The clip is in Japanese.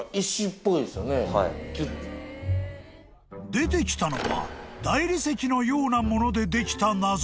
［出てきたのは大理石のようなものでできた謎のもの］